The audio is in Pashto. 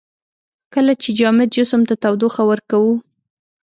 کله چې جامد جسم ته تودوخه ورکوو.